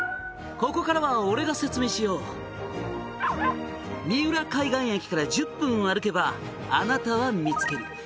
「ここからは俺が説明しよう」「三浦海岸駅から１０分歩けばあなたは見つける」